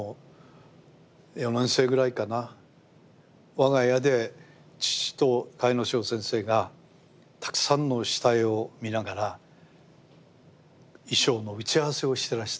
我が家で父と甲斐荘先生がたくさんの下絵を見ながら衣装の打ち合わせをしてらした。